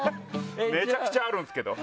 めちゃくちゃあるんですけど。